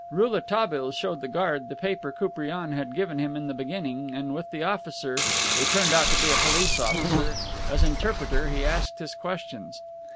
Rouletabille showed the guard the paper Koupriane had given him in the beginning, and with the officer (who turned out to be a police officer) as interpreter, he asked his questions.